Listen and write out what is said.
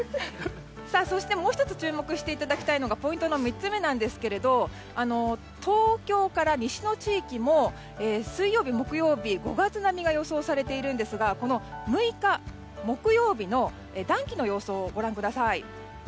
そしてもう１つ注目していただきたいのがポイントの３つ目東京から西の地域も水曜日、木曜日、５月並みが予想されているんですがこの６日、木曜日の暖気の予想をご覧ください。